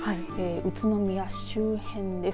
宇都宮市周辺です。